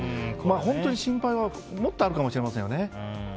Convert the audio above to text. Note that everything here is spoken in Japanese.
本当に心配はもっとあるかもしれませんよね。